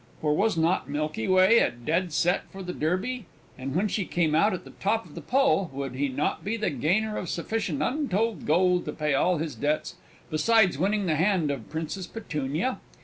For was not Milky Way a dead set for the Derby, and when she came out at the top of the pole, would he not be the gainer of sufficient untold gold to pay all his debts, besides winning the hand of Princess Petunia?